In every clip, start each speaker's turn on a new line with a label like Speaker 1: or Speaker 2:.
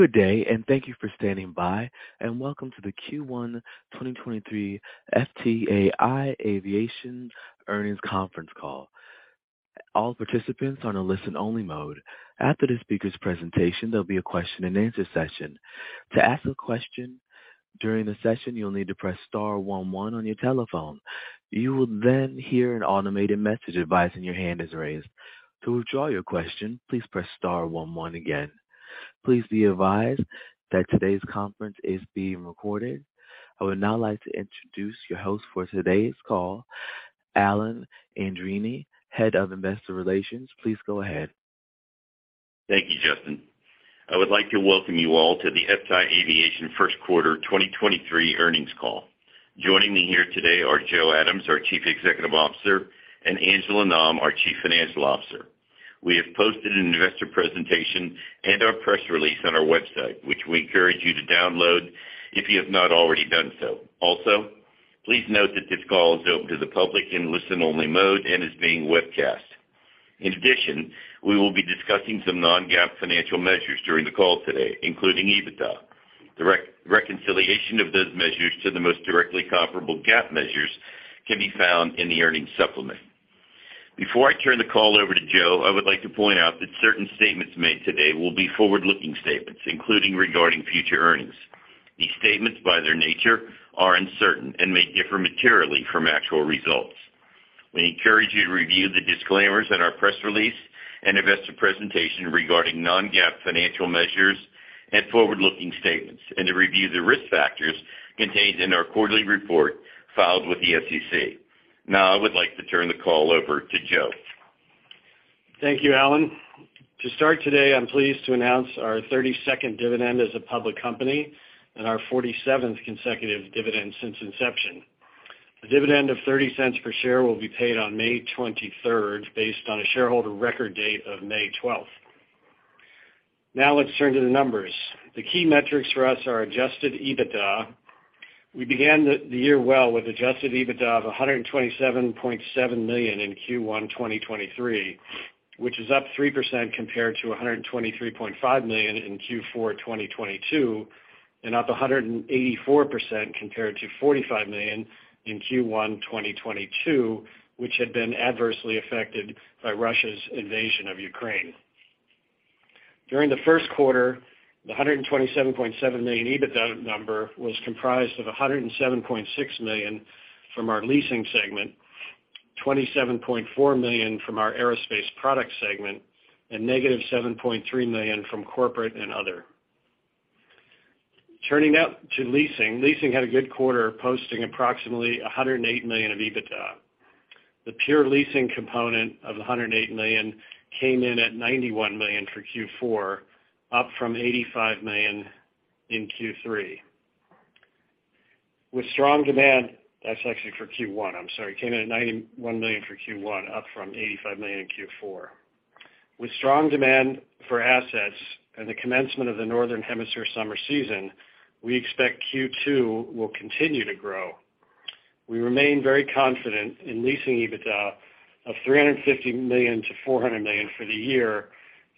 Speaker 1: Good day. Thank you for standing by, and welcome to the Q1 2023 FTAI Aviation Earnings Conference call. All participants are on a listen-only mode. After the speaker's presentation, there'll be a question-and-answer session. To ask a question during the session, you'll need to press star one one on your telephone. You will hear an automated message advising your hand is raised. To withdraw your question, please press star one one again. Please be advised that today's conference is being recorded. I would now like to introduce your host for today's call, Alan Andreini, Head of Investor Relations. Please go ahead.
Speaker 2: Thank you, Justin. I would like to welcome you all to the FTAI Aviation first quarter 2023 earnings call. Joining me here today are Joe Adams, our Chief Executive Officer, and Angela Nam, our Chief Financial Officer. We have posted an investor presentation and our press release on our website, which we encourage you to download if you have not already done so. Please note that this call is open to the public in listen-only mode and is being webcast. We will be discussing some non-GAAP financial measures during the call today, including EBITDA. The reconciliation of those measures to the most directly comparable GAAP measures can be found in the earnings supplement. Before I turn the call over to Joe, I would like to point out that certain statements made today will be forward-looking statements, including regarding future earnings. These statements, by their nature, are uncertain and may differ materially from actual results. We encourage you to review the disclaimers in our press release and investor presentation regarding non-GAAP financial measures and forward-looking statements and to review the risk factors contained in our quarterly report filed with the SEC. Now, I would like to turn the call over to Joe.
Speaker 3: Thank you, Alan. To start today, I'm pleased to announce our 32nd dividend as a public company and our 47th consecutive dividend since inception. The dividend of $0.30 per share will be paid on May 23rd, based on a shareholder record date of May 12th. Let's turn to the numbers. The key metrics for us are adjusted EBITDA. We began the year well with adjusted EBITDA of $127.7 million in Q1 2023, which is up 3% compared to $123.5 million in Q4 2022 and up 184% compared to $45 million in Q1 2022, which had been adversely affected by Russia's invasion of Ukraine. During the first quarter, the $127.7 million EBITDA number was comprised of $107.6 million from our leasing segment, $27.4 million from our aerospace products segment, and negative $7.3 million from corporate and other. Turning now to leasing. Leasing had a good quarter, posting approximately $108 million of EBITDA. The pure leasing component of the $108 million came in at $91 million for Q4, up from $85 million in Q3. That's actually for Q1. I'm sorry. It came in at $91 million for Q1, up from $85 million in Q4. With strong demand for assets and the commencement of the Northern Hemisphere summer season, we expect Q2 will continue to grow. We remain very confident in leasing EBITDA of $350 million to $400 million for the year,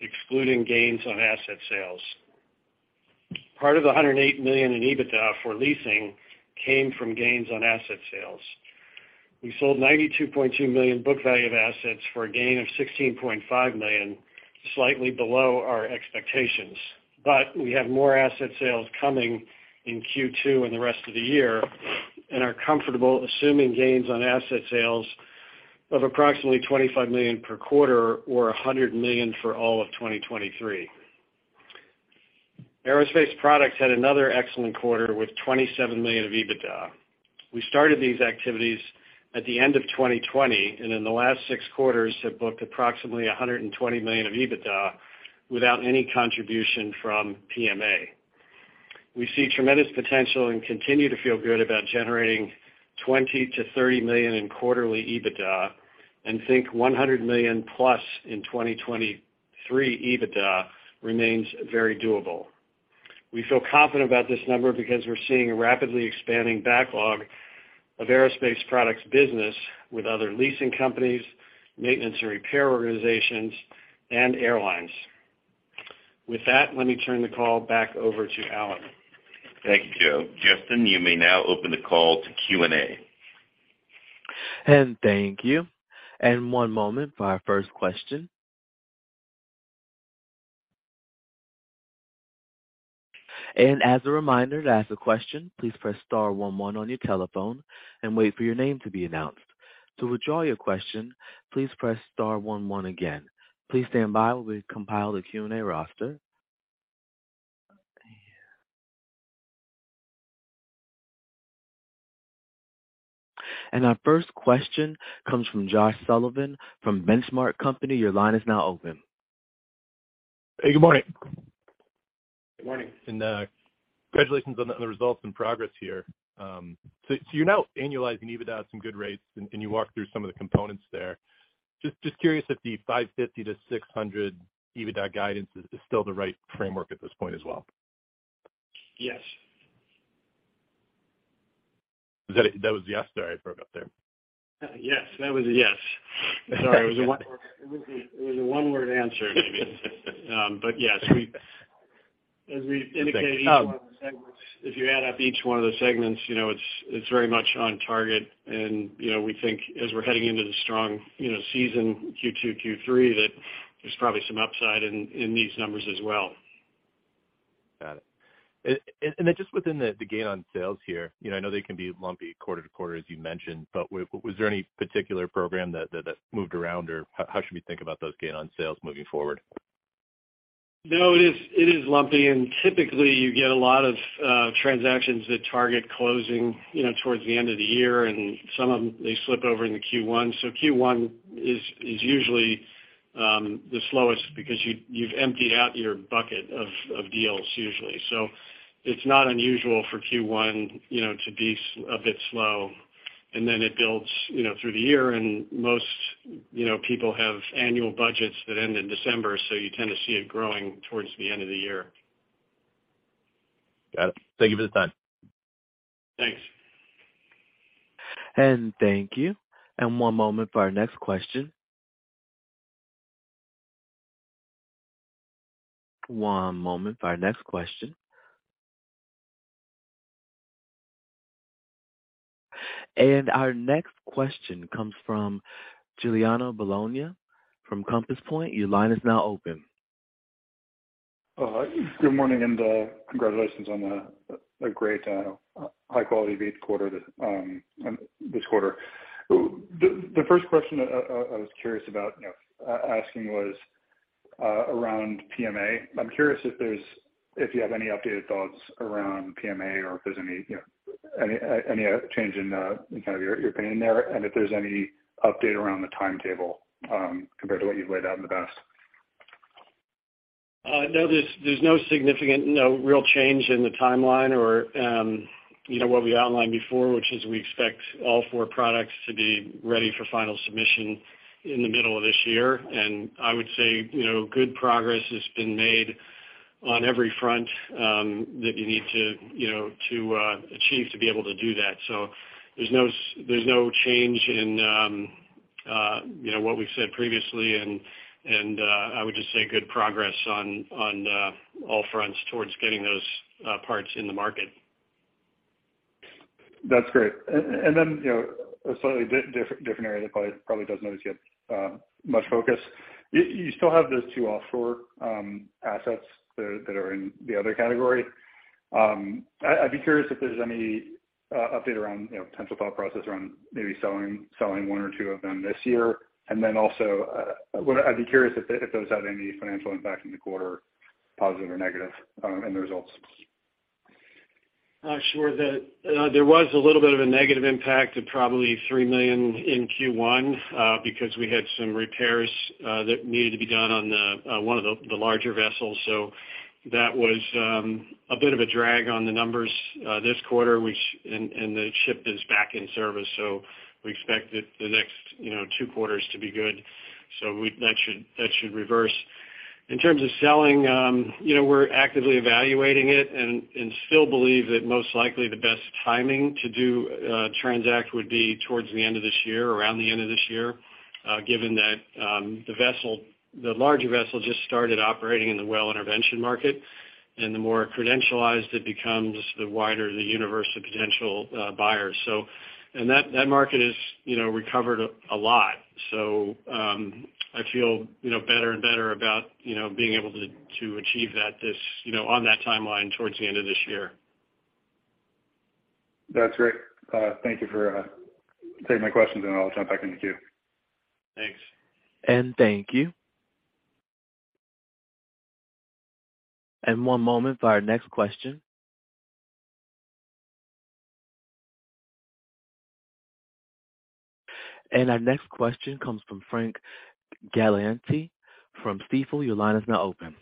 Speaker 3: excluding gains on asset sales. Part of the $108 million in EBITDA for leasing came from gains on asset sales. We sold $92.2 million book value of assets for a gain of $16.5 million, slightly below our expectations. We have more asset sales coming in Q2 and the rest of the year and are comfortable assuming gains on asset sales of approximately $25 million per quarter or $100 million for all of 2023. Aerospace products had another excellent quarter with $27 million of EBITDA. We started these activities at the end of 2020, and in the last 6 quarters have booked approximately $120 million of EBITDA without any contribution from PMA. We see tremendous potential and continue to feel good about generating $20 million-$30 million in quarterly EBITDA and think $100 million-plus in 2023 EBITDA remains very doable. We feel confident about this number because we're seeing a rapidly expanding backlog of aerospace products business with other leasing companies, maintenance and repair organizations, and airlines. With that, let me turn the call back over to Alan.
Speaker 2: Thank you, Joe. Justin, you may now open the call to Q&A.
Speaker 1: Thank you. 1 moment for our first question. As a reminder, to ask a question, please press star one one on your telephone and wait for your name to be announced. To withdraw your question, please press star one one again. Please stand by while we compile the Q&A roster. Our first question comes from Josh Sullivan from The Benchmark Company. Your line is now open.
Speaker 4: Hey, good morning.
Speaker 3: Good morning.
Speaker 4: Congratulations on the results and progress here. You're now annualizing EBITDA at some good rates, and you walked through some of the components there. Just curious if the $550-$600 EBITDA guidance is still the right framework at this point as well.
Speaker 3: Yes.
Speaker 4: Is that a that was yes? Sorry, I forgot there.
Speaker 3: Yes, that was a yes. Sorry. It was a one-word answer maybe. Yes, as we indicated each one of the segments, if you add up each one of the segments, you know, it's very much on target. You know, we think as we're heading into the strong, you know, season Q2, Q3, that there's probably some upside in these numbers as well.
Speaker 4: Got it. Just within the gain on sales here, you know, I know they can be lumpy quarter to quarter as you mentioned, but was there any particular program that moved around? How should we think about those gain on sales moving forward?
Speaker 3: It is, it is lumpy, typically you get a lot of transactions that target closing, you know, towards the end of the year. Some of them, they slip over into Q1. Q1 is usually the slowest because you've emptied out your bucket of deals usually. It's not unusual for Q1, you know, to be a bit slow. Then it builds, you know, through the year. Most, you know, people have annual budgets that end in December, you tend to see it growing towards the end of the year.
Speaker 4: Got it. Thank you for the time.
Speaker 3: Thanks.
Speaker 1: Thank you. One moment for our next question. Our next question comes from Giuliano Bologna from Compass Point. Your line is now open.
Speaker 5: Good morning and congratulations on a great, high quality beat quarter this quarter. The first question I was curious about, you know, asking was around PMA. I'm curious if you have any updated thoughts around PMA or if there's any, you know, change in kind of your opinion there, and if there's any update around the timetable compared to what you've laid out in the past.
Speaker 3: no, there's no significant, no real change in the timeline or, you know, what we outlined before, which is we expect all 4 products to be ready for final submission in the middle of this year. I would say, you know, good progress has been made on every front, that you need to, you know, to achieve to be able to do that. There's no change in, you know, what we've said previously. I would just say good progress on all fronts towards getting those parts in the market.
Speaker 5: That's great. You know, a slightly different area that probably doesn't get much focus. You still have those two offshore assets that are in the other category. I'd be curious if there's any update around, you know, potential thought process around maybe selling one or two of them this year. Also, I'd be curious if those had any financial impact in the quarter, positive or negative, in the results.
Speaker 3: Sure. The there was a little bit of a negative impact of probably $3 million in Q1, because we had some repairs that needed to be done on one of the larger vessels. That was a bit of a drag on the numbers this quarter. The ship is back in service, so we expect the next, you know, 2 quarters to be good. That should reverse. In terms of selling, you know, we're actively evaluating it and still believe that most likely the best timing to do transact would be towards the end of this year, around the end of this year, given that the vessel, the larger vessel just started operating in the well intervention market. The more credentialized it becomes, the wider the universe of potential buyers. That market has, you know, recovered a lot. I feel, you know, better and better about, you know, being able to achieve that, you know, on that timeline towards the end of this year.
Speaker 5: That's great. Thank you for taking my questions, and I'll jump back into queue.
Speaker 3: Thanks.
Speaker 1: Thank you. One moment for our next question. Our next question comes from Frank Galanti from Stifel. Your line is now open.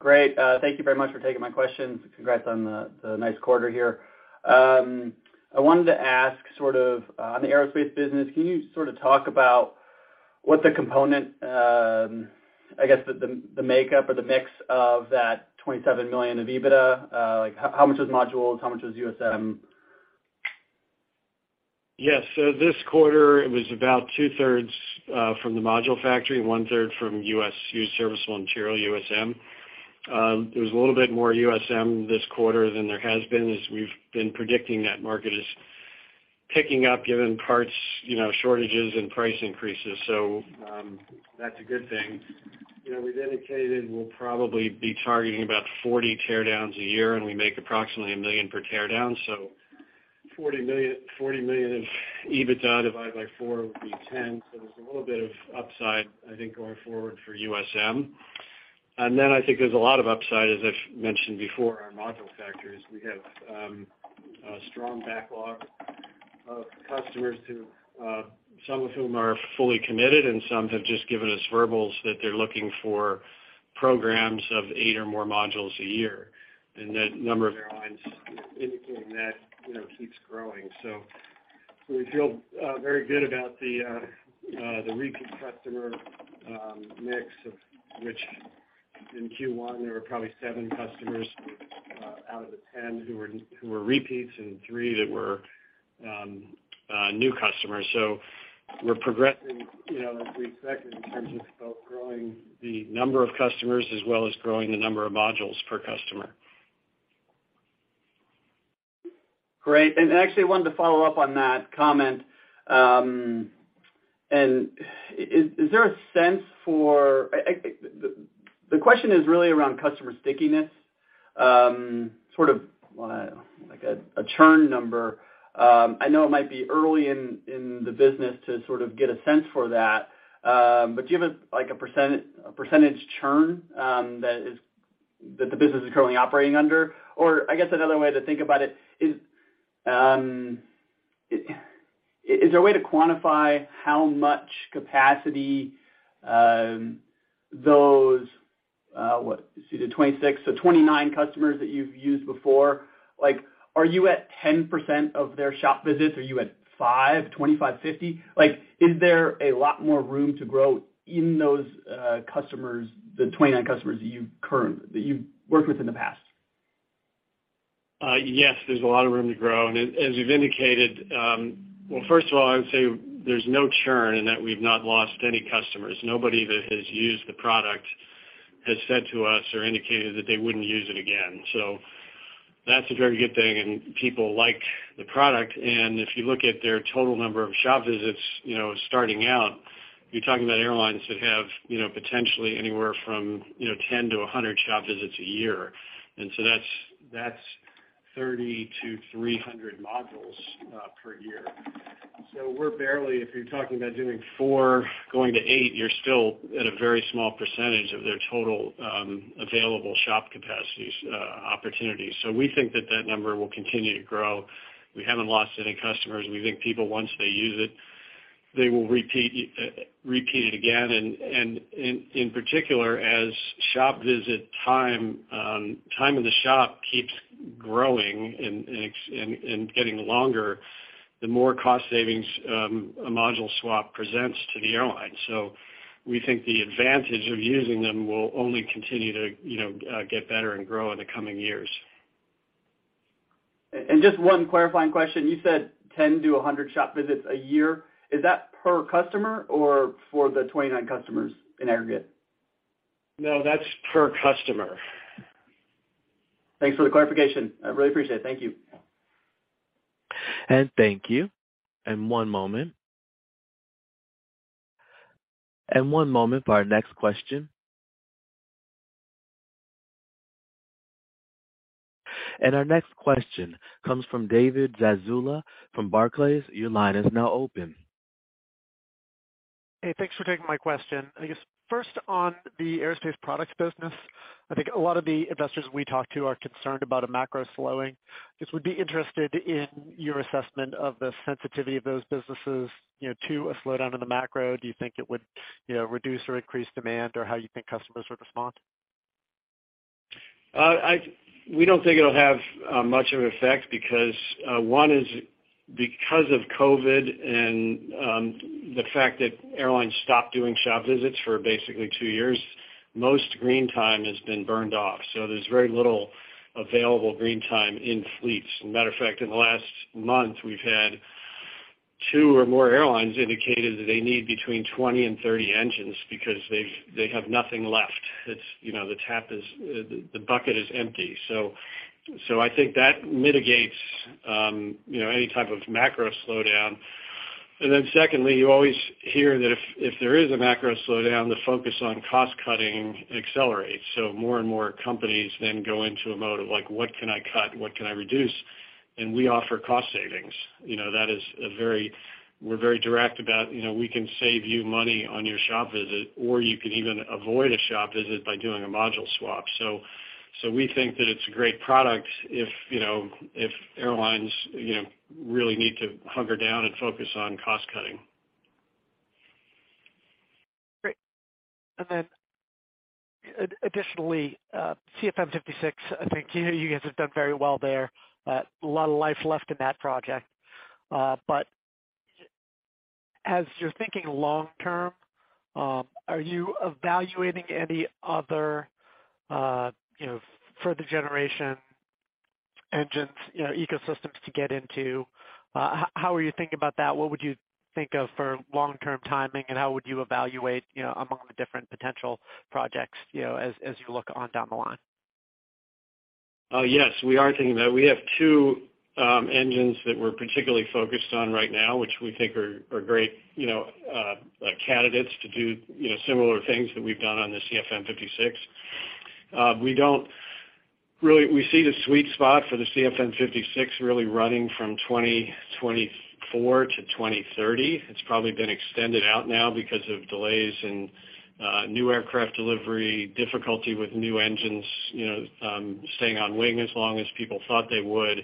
Speaker 6: Great. thank you very much for taking my questions. Congrats on the nice quarter here. I wanted to ask sort of on the aerospace business, can you sort of talk about what the component, I guess the makeup or the mix of that $27 million of EBITDA? like how much was modules, how much was USM?
Speaker 3: Yes. This quarter, it was about 2/3 from the module factory, one-third from Used Serviceable Material, USM. It was a little bit more USM this quarter than there has been as we've been predicting that market is picking up given parts, you know, shortages and price increases. That's a good thing. You know, we've indicated we'll probably be targeting about 40 teardowns a year, and we make approximately $1 million per teardown. $40 million in EBITDA divided by four would be 10. There's a little bit of upside, I think, going forward for USM. I think there's a lot of upside, as I've mentioned before, our module factories. We have strong backlog of customers who some of whom are fully committed and some have just given us verbals that they're looking for programs of 8 or more modules a year. That number of airlines indicating that, you know, keeps growing. We feel very good about the recap customer mix. In Q1, there were probably 7 customers out of the 10 who were repeats and 3 that were new customers. We're progressing, you know, as we expected in terms of both growing the number of customers as well as growing the number of modules per customer.
Speaker 6: Great. Actually, I wanted to follow up on that comment. Is there a sense for? The question is really around customer stickiness, sort of, like a churn number. I know it might be early in the business to sort of get a sense for that, but do you have a, like, a percentage churn that the business is currently operating under? Or I guess another way to think about it is there a way to quantify how much capacity those, what, let's see, the 26, so 29 customers that you've used before, like, are you at 10% of their shop visits? Are you at 5, 25, 50? Is there a lot more room to grow in those customers, the 29 customers that you've worked with in the past?
Speaker 3: Yes, there's a lot of room to grow. As we've indicated, well, first of all, I would say there's no churn in that we've not lost any customers. Nobody that has used the product has said to us or indicated that they wouldn't use it again. That's a very good thing, and people like the product. If you look at their total number of shop visits, you know, starting out, you're talking about airlines that have, you know, potentially anywhere from, you know, 10-100 shop visits a year. That's 30-300 modules per year. We're barely, if you're talking about doing 4 going to 8, you're still at a very small percentage of their total available shop capacities opportunities. We think that that number will continue to grow. We haven't lost any customers. We think people, once they use it, they will repeat it again. In particular, as shop visit time in the shop keeps growing and getting longer, the more cost savings a module swap presents to the airline. We think the advantage of using them will only continue to, you know, get better and grow in the coming years.
Speaker 6: Just one clarifying question. You said 10-100 shop visits a year. Is that per customer or for the 29 customers in aggregate?
Speaker 3: No, that's per customer.
Speaker 6: Thanks for the clarification. I really appreciate it. Thank you.
Speaker 1: Thank you. One moment. One moment for our next question. Our next question comes from David Zazula from Barclays. Your line is now open.
Speaker 7: Hey, thanks for taking my question. I guess first on the aerospace products business, I think a lot of the investors we talk to are concerned about a macro slowing. Just would be interested in your assessment of the sensitivity of those businesses, you know, to a slowdown in the macro. Do you think it would, you know, reduce or increase demand or how you think customers would respond?
Speaker 3: We don't think it'll have much of an effect because one is because of COVID and the fact that airlines stopped doing shop visits for basically 2 years, most green time has been burned off. There's very little available green time in fleets. Matter of fact, in the last month, we've had 2 or more airlines indicated that they need between 20 and 30 engines because they have nothing left. It's, you know, the bucket is empty. I think that mitigates, you know, any type of macro slowdown. Secondly, you always hear that if there is a macro slowdown, the focus on cost-cutting accelerates. More and more companies then go into a mode of like, what can I cut? What can I reduce? We offer cost savings. You know, We're very direct about, you know, we can save you money on your shop visit, or you can even avoid a shop visit by doing a module swap. We think that it's a great product if, you know, if airlines, you know, really need to hunker down and focus on cost cutting.
Speaker 7: Great. Then additionally, CFM56, I think you guys have done very well there. A lot of life left in that project. But as you're thinking long term, are you evaluating any other, you know, further generation engines, you know, ecosystems to get into? How are you thinking about that? What would you think of for long-term timing, and how would you evaluate, you know, among the different potential projects, you know, as you look on down the line?
Speaker 3: Yes, we are thinking that. We have two engines that we're particularly focused on right now, which we think are great, you know, candidates to do, you know, similar things that we've done on the CFM56. We don't really. We see the sweet spot for the CFM56 really running from 2024 to 2030. It's probably been extended out now because of delays in new aircraft delivery, difficulty with new engines, you know, staying on wing as long as people thought they would,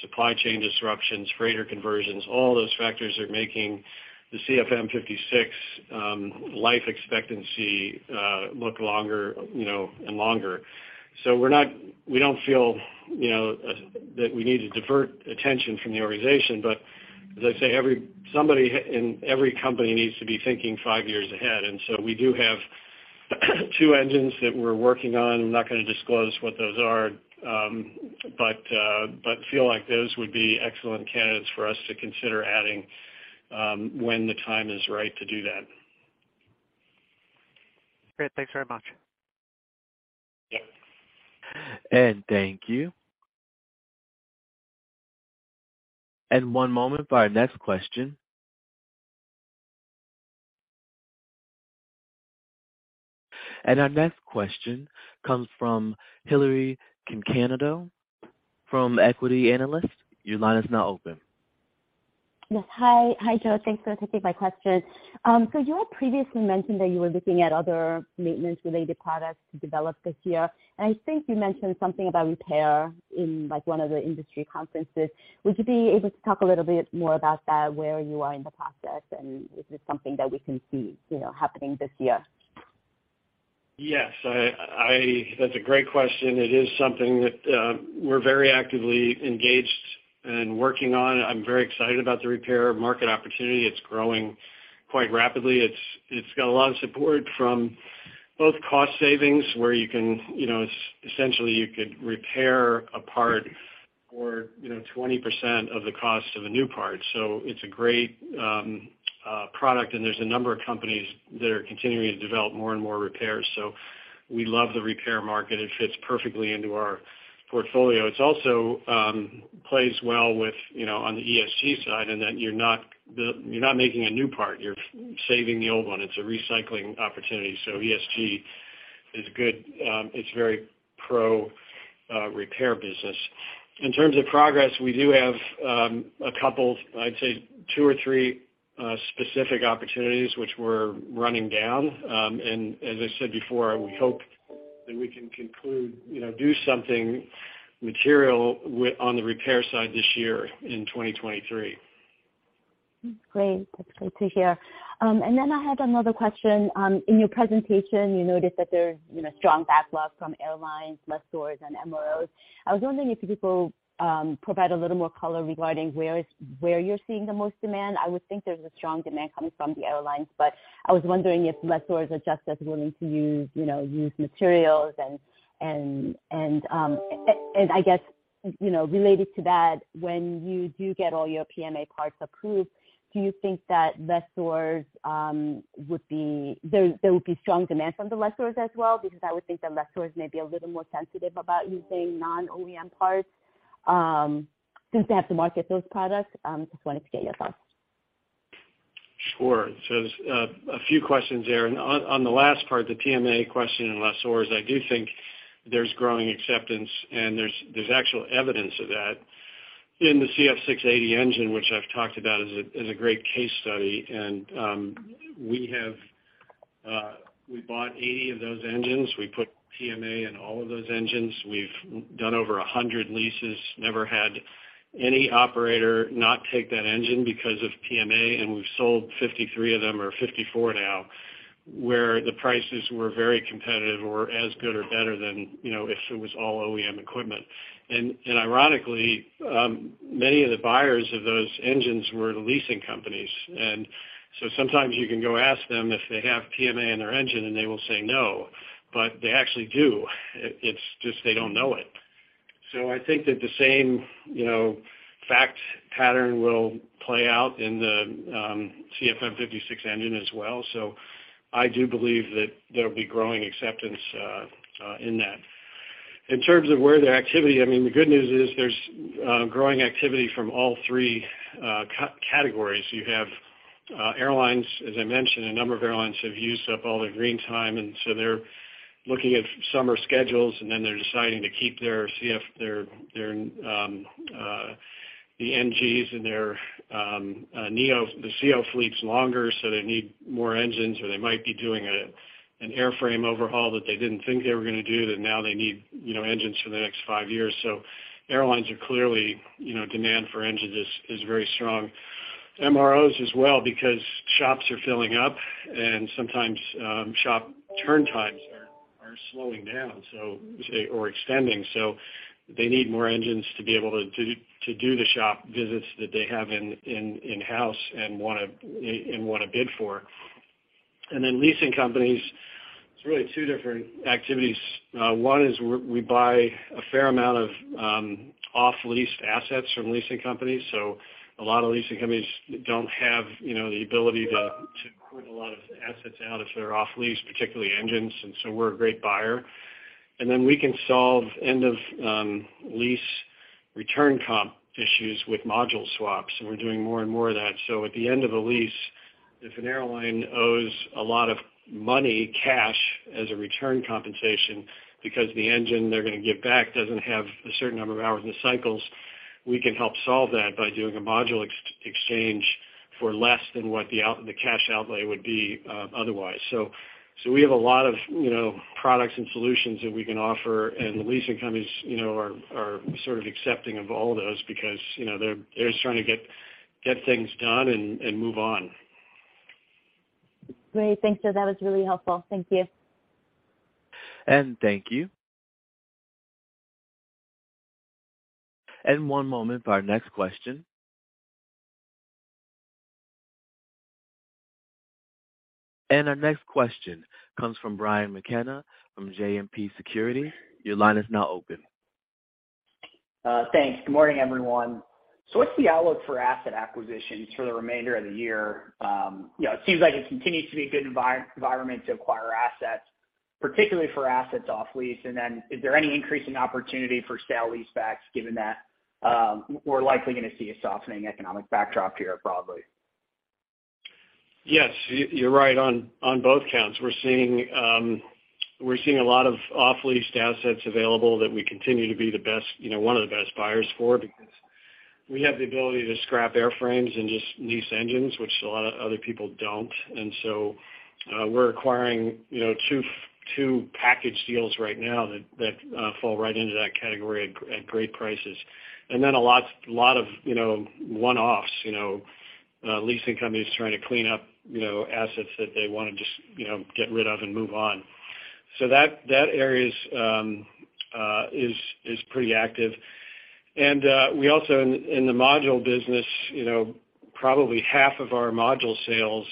Speaker 3: supply chain disruptions, freighter conversions. All those factors are making the CFM56 life expectancy look longer, you know, and longer. We're not. We don't feel, you know, that we need to divert attention from the organization. As I say, somebody in every company needs to be thinking five years ahead. We do have 2 engines that we're working on. I'm not gonna disclose what those are, but feel like those would be excellent candidates for us to consider adding, when the time is right to do that.
Speaker 7: Great. Thanks very much.
Speaker 1: Thank you. One moment for our next question. Our next question comes from Hillary Cacanando from Equity Analyst. Your line is now open.
Speaker 8: Yes. Hi. Hi, Joe. Thanks for taking my question. You had previously mentioned that you were looking at other maintenance related products to develop this year, and I think you mentioned something about repair in, like, one of the industry conferences. Would you be able to talk a little bit more about that, where you are in the process, and is this something that we can see, you know, happening this year?
Speaker 3: Yes. That's a great question. It is something that we're very actively engaged and working on. I'm very excited about the repair market opportunity. It's growing quite rapidly. It's got a lot of support from both cost savings, where you can, you know, essentially, you could repair a part for, you know, 20% of the cost of a new part. It's a great product, and there's a number of companies that are continuing to develop more and more repairs. We love the repair market. It fits perfectly into our portfolio. It's also plays well with, you know, on the ESG side, and that you're not making a new part, you're saving the old one. It's a recycling opportunity. ESG is good. It's very pro repair business. In terms of progress, we do have, a couple, I'd say 2 or 3, specific opportunities which we're running down. As I said before, we hope that we can conclude, you know, do something material on the repair side this year in 2023.
Speaker 8: Great. That's great to hear. Then I had another question. In your presentation, you noted that there's, you know, strong backlog from airlines, lessors and MROs. I was wondering if you could, provide a little more color regarding where you're seeing the most demand. I would think there's a strong demand coming from the airlines, but I was wondering if lessors are just as willing to use, you know, used materials. I guess, you know, related to that, when you do get all your PMA parts approved, do you think that lessors, would be. There would be strong demand from the lessors as well? Because I would think that lessors may be a little more sensitive about using non-OEM parts, since they have to market those products. Just wanted to get your thoughts.
Speaker 3: There's a few questions there. On the last part, the PMA question and lessors, I do think there's growing acceptance, and there's actual evidence of that in the CF680 engine, which I've talked about as a great case study. We have, we bought 80 of those engines. We put PMA in all of those engines. We've done over 100 leases, never had any operator not take that engine because of PMA. We've sold 53 of them, or 54 now, where the prices were very competitive or as good or better than, you know, if it was all OEM equipment. Ironically, many of the buyers of those engines were the leasing companies. Sometimes you can go ask them if they have PMA in their engine, and they will say no, but they actually do. It's just they don't know it. I think that the same, you know, fact pattern will play out in the CFM56 engine as well. I do believe that there'll be growing acceptance in that. In terms of where their activity, I mean, the good news is there's growing activity from all three categories. You have airlines, as I mentioned, a number of airlines have used up all their green time. They're looking at summer schedules. They're deciding to keep the NGs and their neo, the CEO fleets longer. They need more engines. They might be doing an airframe overhaul that they didn't think they were gonna do, that now they need, you know, engines for the next five years. Airlines are clearly, you know, demand for engines is very strong. MROs as well, because shops are filling up and sometimes shop turn times are slowing down or extending. They need more engines to be able to do the shop visits that they have in-house and wanna bid for. Leasing companies, it's really two different activities. One is we buy a fair amount of off-lease assets from leasing companies. A lot of leasing companies don't have, you know, the ability to put a lot of assets out if they're off lease, particularly engines, and so we're a great buyer. We can solve end of lease return comp issues with module swaps, and we're doing more and more of that. At the end of a lease, if an airline owes a lot of money, cash, as a return compensation because the engine they're gonna give back doesn't have a certain number of hours and cycles, we can help solve that by doing a module exchange for less than what the cash outlay would be otherwise. We have a lot of, you know, products and solutions that we can offer, and the leasing companies, you know, are sort of accepting of all those because, you know, they're just trying to get things done and move on.
Speaker 8: Great. Thanks, Joe. That was really helpful. Thank you.
Speaker 1: Thank you. One moment for our next question. Our next question comes from Brian McKenna from JMP Securities. Your line is now open.
Speaker 9: Thanks. Good morning, everyone. What's the outlook for asset acquisitions for the remainder of the year? You know, it seems like it continues to be a good environment to acquire assets, particularly for assets off lease. Is there any increase in opportunity for sale leasebacks given that we're likely gonna see a softening economic backdrop here broadly?
Speaker 3: Yes, you're right on both counts. We're seeing a lot of off-lease assets available that we continue to be the best, you know, one of the best buyers for because we have the ability to scrap airframes and just lease engines, which a lot of other people don't. We're acquiring, you know, two package deals right now that fall right into that category at great prices. A lot of, you know, one-offs, you know, leasing companies trying to clean up, you know, assets that they wanna just, you know, get rid of and move on. That area's, is pretty active. We also in the module business, you know, probably half of our module sales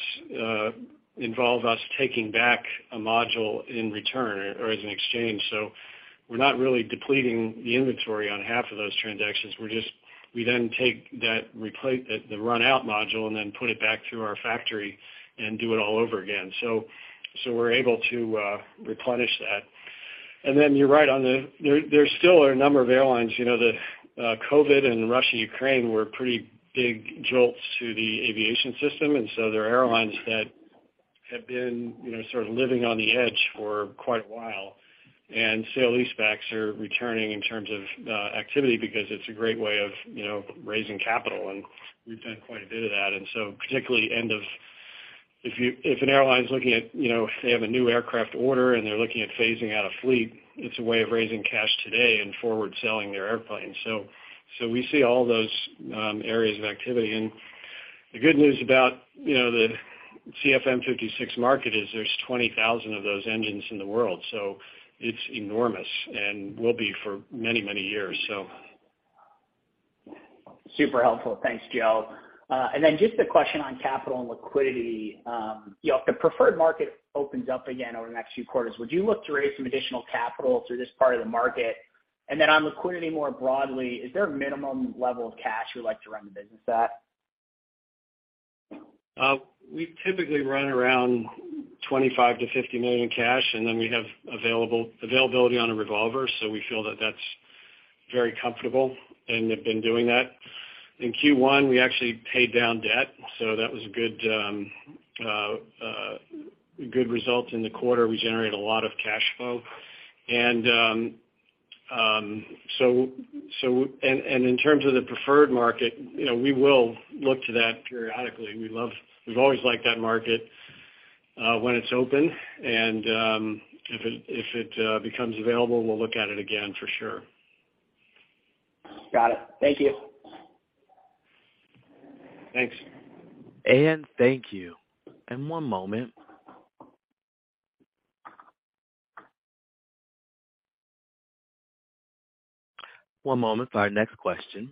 Speaker 3: involve us taking back a module in return or as an exchange. We're not really depleting the inventory on half of those transactions. We then take that run-out module and then put it back through our factory and do it all over again. We're able to replenish that. You're right on the. There still are a number of airlines, you know, the COVID and Russia-Ukraine were pretty big jolts to the aviation system. There are airlines that have been, you know, sort of living on the edge for quite a while, and sale leasebacks are returning in terms of activity because it's a great way of, you know, raising capital, and we've done quite a bit of that. Particularly end of... If an airline's looking at, you know, if they have a new aircraft order and they're looking at phasing out a fleet, it's a way of raising cash today and forward selling their airplanes. So we see all those areas of activity. The good news about, you know, the CFM56 market is there's 20,000 of those engines in the world, so it's enormous and will be for many, many years, so.
Speaker 9: Super helpful. Thanks, Joe. Just a question on capital and liquidity. You know, if the preferred market opens up again over the next few quarters, would you look to raise some additional capital through this part of the market? On liquidity more broadly, is there a minimum level of cash you'd like to run the business at?
Speaker 3: We typically run around $25 million-$50 million cash, and then we have availability on a revolver, so we feel that that's very comfortable and have been doing that. In Q1, we actually paid down debt, so that was a good result in the quarter. We generate a lot of cash flow. In terms of the preferred market, you know, we will look to that periodically. We've always liked that market, when it's open, and if it becomes available, we'll look at it again for sure.
Speaker 9: Got it. Thank you.
Speaker 3: Thanks.
Speaker 1: Thank you. One moment. One moment for our next question.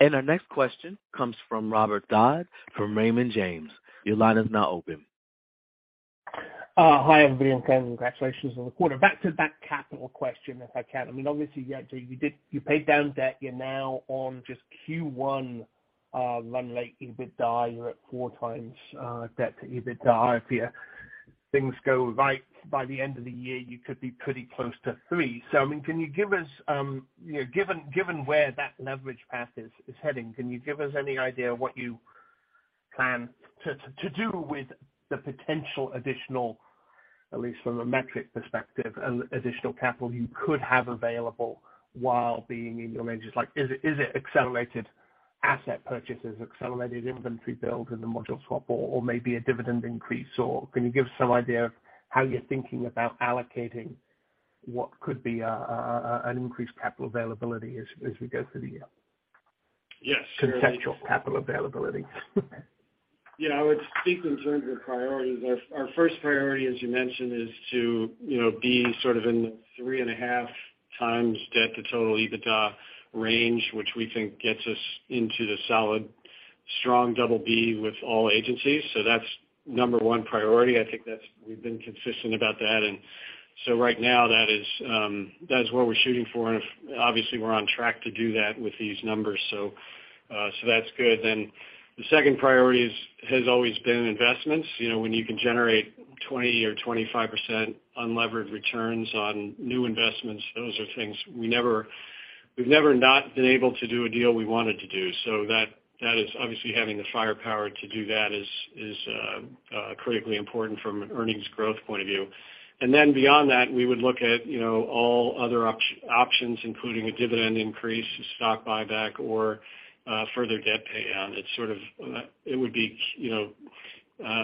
Speaker 1: Our next question comes from Robert Dodd from Raymond James. Your line is now open.
Speaker 10: Hi, everybody, and congratulations on the quarter. Back to that capital question, if I can. I mean, obviously, you paid down debt. You're now on just Q1 run rate EBITDA. You're at 4x debt to EBITDA. If things go right by the end of the year, you could be pretty close to 3. I mean, can you give us, you know, given where that leverage path is heading, can you give us any idea what you plan to do with the potential additional, at least from a metric perspective, an additional capital you could have available while being in your ranges? Like, is it accelerated asset purchases, accelerated inventory build in the module swap, or maybe a dividend increase? Can you give some idea of how you're thinking about allocating what could be an increased capital availability as we go through the year?
Speaker 3: Yes.
Speaker 10: Contextual capital availability.
Speaker 3: Yeah. I would speak in terms of priorities. Our first priority, as you mentioned, is to, you know, be sort of in the 3.5x debt to total EBITDA range, which we think gets us into the solid strong double B with all agencies. That's number 1 priority. I think we've been consistent about that. Right now that is what we're shooting for. If obviously, we're on track to do that with these numbers, that's good. The second priority is, has always been investments. You know, when you can generate 20% or 25% unlevered returns on new investments, those are things we've never not been able to do a deal we wanted to do. That is obviously having the firepower to do that is critically important from an earnings growth point of view. Beyond that, we would look at, you know, all other options, including a dividend increase, a stock buyback or further debt pay down. It's sort of, it would be, you know.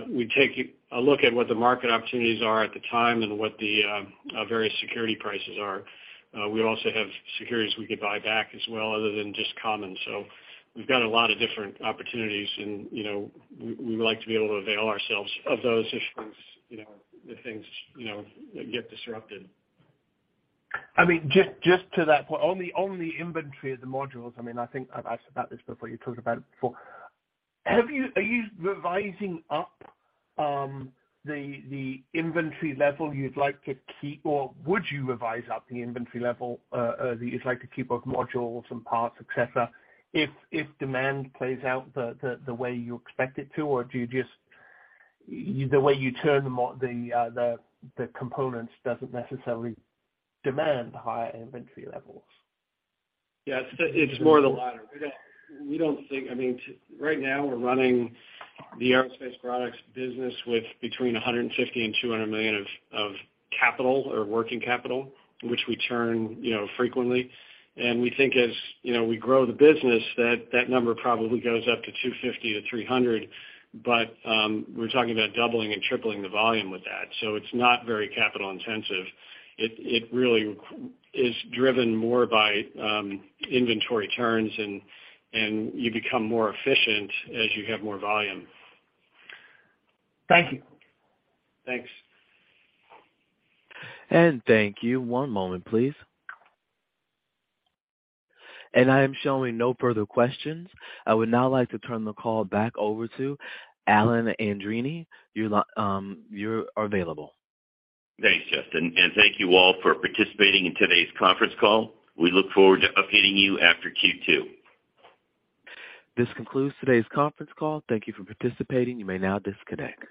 Speaker 3: We take a look at what the market opportunities are at the time and what the various security prices are. We also have securities we could buy back as well other than just common. We've got a lot of different opportunities and, you know, we like to be able to avail ourselves of those just in case, you know, if things, you know, get disrupted.
Speaker 10: I mean, just to that point, on the inventory of the modules, I mean, I think I've asked about this before, you talked about it before. Have you are you revising up the inventory level you'd like to keep? Or would you revise up the inventory level that you'd like to keep of modules and parts, et cetera, if demand plays out the way you expect it to? Or do you just the way you turn the components doesn't necessarily demand higher inventory levels?
Speaker 3: Yes, it's more the latter. We don't think, I mean, right now we're running the aerospace products business with between $150 million-$200 million of capital or working capital, which we turn, you know, frequently. We think as, you know, we grow the business, that that number probably goes up to $250 million-$300 million. We're talking about doubling and tripling the volume with that. It's not very capital intensive. It really is driven more by inventory turns, and you become more efficient as you have more volume.
Speaker 10: Thank you.
Speaker 3: Thanks.
Speaker 1: Thank you. One moment, please. I am showing no further questions. I would now like to turn the call back over to Alan Andreini. You are available.
Speaker 2: Thanks, Justin, and thank you all for participating in today's conference call. We look forward to updating you after Q2.
Speaker 1: This concludes today's conference call. Thank you for participating. You may now disconnect.